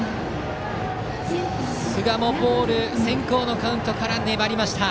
寿賀もボール先行のカウントから粘りました。